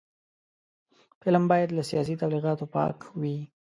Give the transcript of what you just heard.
فلم باید له سیاسي تبلیغاتو پاک وي